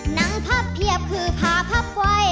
หนังพับเหนียบคือพาพับคน